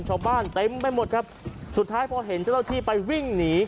ชาวบ้านเต็มไปหมดครับสุดท้ายพอเห็นเจ้าที่ไปวิ่งหนี